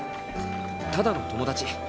ただの友達。